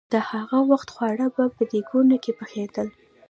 د هغه وخت خواړه به په دېګونو کې پخېدل.